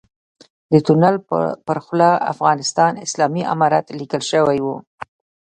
د تونل پر خوله افغانستان اسلامي امارت ليکل شوی و.